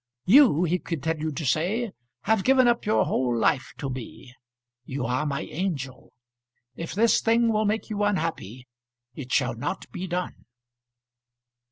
"You," he continued to say, "have given up your whole life to me. You are my angel. If this thing will make you unhappy it shall not be done."